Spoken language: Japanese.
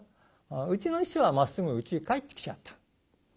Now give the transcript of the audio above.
うちの師匠はまっすぐうちへ帰ってきちゃった。